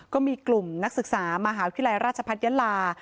ก็มีกลุ่มนักศึกษามหาวิทยาลัยราชพัฒนยะลา